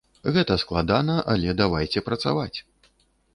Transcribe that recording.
Гэта складана, але давайце працаваць.